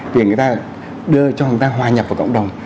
để người ta đưa cho người ta hòa nhập vào cộng đồng